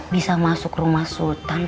bisa masuk rumah sultan